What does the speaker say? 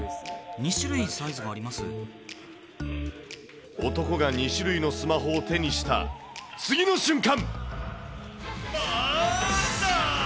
２種類サイズが男が２種類のスマホを手にした次の瞬間。